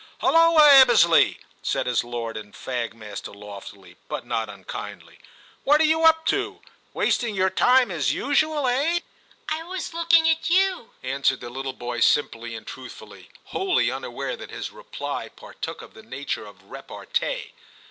' Hulloa, Ebbesley !* said his lord and fag master loftily, but not unkindly, 'what are you up to ? Wasting your time as usual, eh V L 146 TIM CHAP. * I was looking at you/ answered the little boy simply and truthfully, wholly unaware that his reply partook of the nature of repartee.